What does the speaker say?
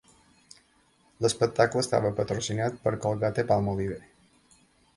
L'espectacle estava patrocinat per Colgate-Palmolive.